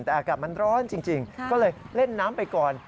แต่อากาศมันร้อนจริงก็เลยเล่นน้ำไปก่อน